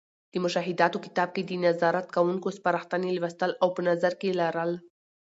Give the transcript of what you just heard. د مشاهداتو کتاب کې د نظارت کوونکو سپارښتنې لوستـل او په نظر کې لرل.